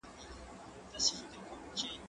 زه پرون ليکنه وکړه؟!